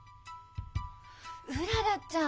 うららちゃん！